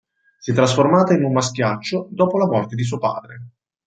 Si è trasformata in un maschiaccio dopo la morte di suo padre.